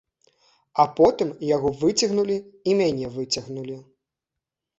А потым яго выцягнулі і мяне выцягнулі.